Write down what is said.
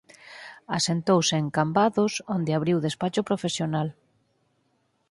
Asentouse en Cambados onde abriu despacho profesional.